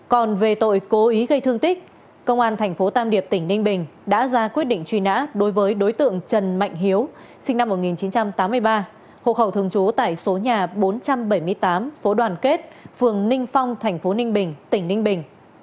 còn về tội cố ý gây thương tích công an thành phố tam điệp tỉnh ninh bình đã ra quyết định truy nã đối với đối tượng trần mạnh hiếu sinh năm một nghìn chín trăm tám mươi ba hộ khẩu thường trú tại số nhà bốn trăm bảy mươi tám số đoàn kết phường ninh phong thành phố ninh bình tỉnh ninh bình